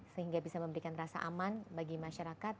sehingga bisa memberikan rasa aman bagi masyarakat